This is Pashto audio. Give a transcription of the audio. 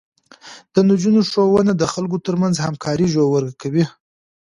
د نجونو ښوونه د خلکو ترمنځ همکاري ژوره کوي.